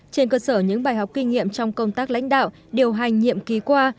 trên cơ sở những bài học kinh nghiệm trong công tác lãnh đạo điều hành nhiệm ký qua